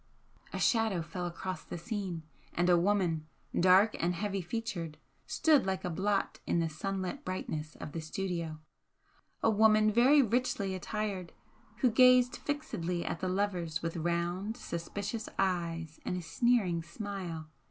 A shadow fell across the scene, and a woman, dark and heavy featured, stood like a blot in the sunlit brightness of the studio, a woman very richly attired, who gazed fixedly at the lovers with round, suspicious eyes and a sneering smile.